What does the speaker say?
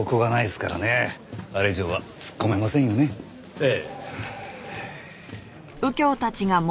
ええ。